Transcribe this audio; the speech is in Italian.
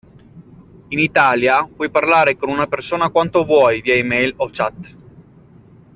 In Italia puoi parlare con una persona quanto vuoi via e-mail o chat.